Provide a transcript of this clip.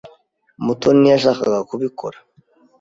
Mutoni ntiyashakaga kubikora.